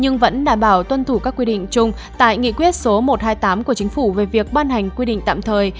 nhưng vẫn đảm bảo tuân thủ các quy định chung tại nghị quyết số một trăm hai mươi tám của chính phủ về việc ban hành quy định tạm thời